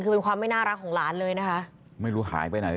ตามวินตามคำประดานนั้น